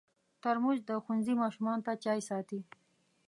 ترموز د ښوونځي ماشومانو ته چای ساتي.